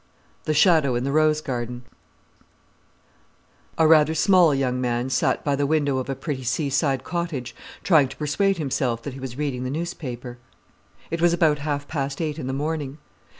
The Shadow in the Rose Garden A rather small young man sat by the window of a pretty seaside cottage trying to persuade himself that he was reading the newspaper. It was about half past eight in the morning.